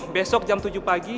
besok jam tujuh pagi